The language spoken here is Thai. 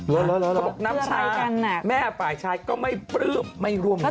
เหรอเพราะอะไรกันนะเพราะแม่ป่ายชายก็ไม่ปลื้มไม่ร่วมงาน